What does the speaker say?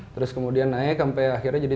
terus kemudian naik sampai akhirnya jadi tiga puluh